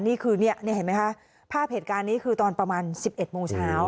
นี่คือเห็นไหมคะภาพเหตุการณ์นี้คือตอนประมาณ๑๑โมงเช้า